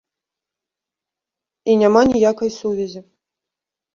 І няма ніякай сувязі.